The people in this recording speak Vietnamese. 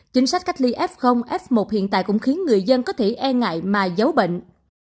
chính sách cách ly f f một hiện tại cũng khiến người dân có thể e ngại mà giấu bệnh